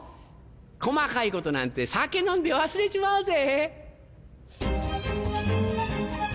細かいことなんて酒飲んで忘れちまおうぜ！